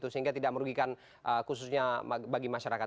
sehingga tidak merugikan khususnya bagi masyarakat